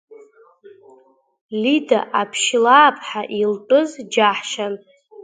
Лида Аԥшьлааԥҳа илтәыз џьаҳшьан…